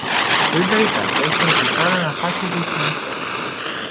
Solidaritatea este necesară în afacerile financiare.